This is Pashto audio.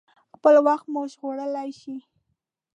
خپل وخت مو ژغورلی شئ.